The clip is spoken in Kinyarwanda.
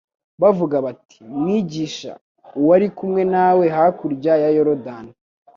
bavuga bati, “Mwigisha, uwari kumwe nawe hakurya ya Yorodani,